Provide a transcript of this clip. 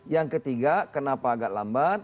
yang ketiga kenapa agak lambat